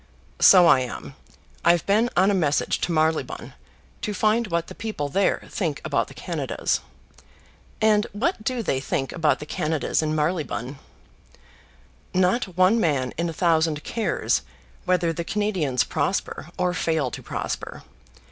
"So I am. I've been on a message to Marylebone, to find what the people there think about the Canadas." "And what do they think about the Canadas in Marylebone?" "Not one man in a thousand cares whether the Canadians prosper or fail to prosper.